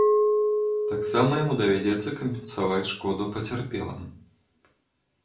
Таксама яму давядзецца кампенсаваць шкоду пацярпелым.